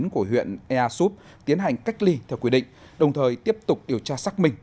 của huyện ea súp tiến hành cách ly theo quy định đồng thời tiếp tục điều tra xác minh